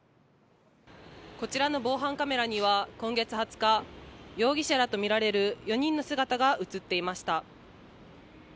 こちらの防犯カメラには今月２０日、容疑者らとみられる４人の姿が映っていました。